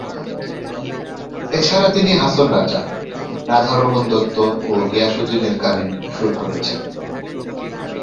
এছাড়া তিনি হাছন রাজা, রাধারমণ দত্ত, ও গিয়াস উদ্দিনের গানে সুর করেছেন।